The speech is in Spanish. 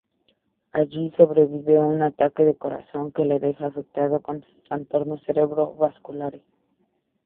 Allí sobrevive un ataque al corazón que lo deja afectado con trastornos cerebrovasculares.